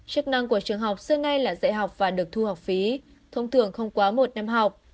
chức năng của trường học xưa ngay là dạy học và được thu học phí thông thường không quá một năm học